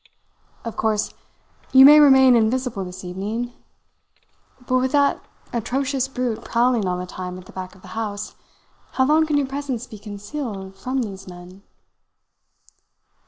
Of course, you may remain invisible this evening; but with that atrocious brute prowling all the time at the back of the house, how long can your presence be concealed from these men?"